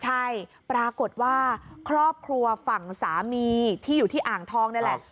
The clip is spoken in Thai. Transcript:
ใช่ปรากฏว่าครอบครัวฝั่งสามีที่อยู่ที่อ่างทองนี่แหละ